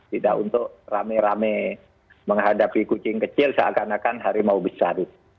tidak untuk rame rame menghadapi kucing kecil seakan akan hari mau besar itu